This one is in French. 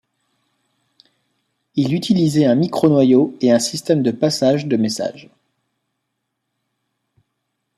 Il utilisait un micro-noyau et un système de passage de messages.